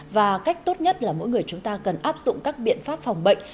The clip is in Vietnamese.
và cách tốt nhất là mỗi người chúng ta cần áp dụng các biện pháp phòng bệnh